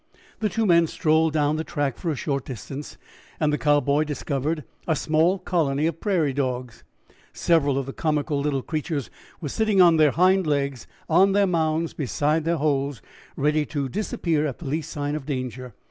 The two men strolled down the track for a short distance, and the Cowboy discovered a small colony of prairie dogs. Several of the comical little creatures were sitting on their hind legs on the mounds beside their holes ready to disappear at the least sign of danger.